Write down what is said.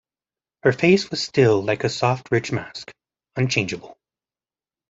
Her face was still like a soft rich mask, unchangeable.